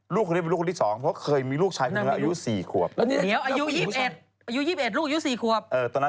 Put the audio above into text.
ลูกคนนี้เป็นลูกคนนี้สอง